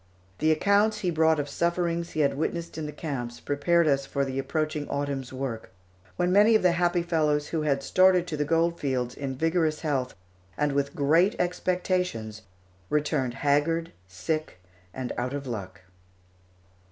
The accounts he brought of sufferings he had witnessed in the camps prepared us for the approaching autumn's work, when many of the happy fellows who had started to the gold fields in vigorous health and with great expectations returned haggard, sick, and out of luck.